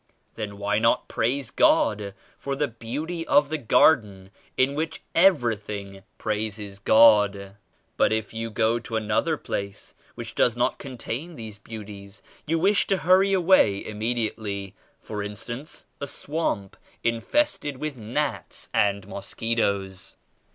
Then why not praise God for the beauty of the garden in which everything praises God! But if you go to another place which does not contain these beauties, you wish to hurry away immediately; for instance, a swamp in fested with gnats and mosquitoes.